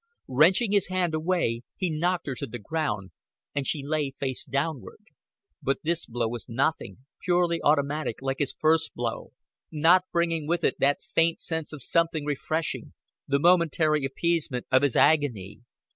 Wrenching his hand away he knocked her to the ground, and she lay face downward. But this blow was nothing, purely automatic, like his first blow, not bringing with it that faint sense of something refreshing, the momentary appeasement of his agony.